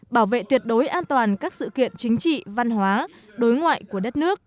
bảo vệ tuyệt đối an toàn các sự kiện chính trị văn hóa đối ngoại của đất nước